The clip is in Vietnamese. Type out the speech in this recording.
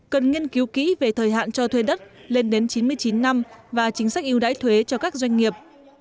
cần nghiên cứu kỹ về thời hạn cho thuê đất lên đến chín mươi chín năm và chính sách yêu đãi thuế cho các doanh nghiệp